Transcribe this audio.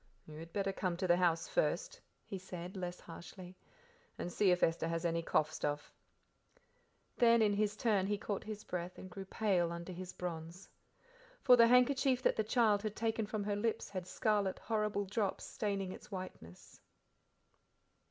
"You had better come to the house first," he said, less harshly, "and see if Esther has any cough stuff." Then in his turn he caught his breath and grew pale under his bronze. For the handkerchief that the child had taken from her lips had scarlet, horrible spots staining its whiteness.